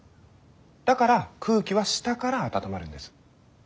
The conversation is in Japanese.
だから空気は下から温まるんです。